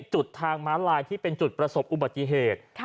จุดทางม้าลายที่เป็นจุดประสบอุบัติเหตุ